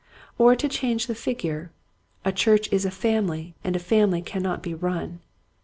Or to change the figure, a church is a family and a family cannot be run.